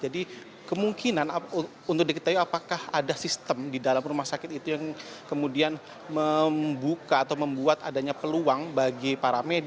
jadi kemungkinan untuk diketahui apakah ada sistem di dalam rumah sakit itu yang kemudian membuka atau membuat adanya peluang bagi para medis